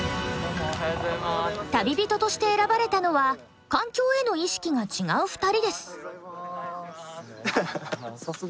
旅人として選ばれたのは環境への意識が違う２人です。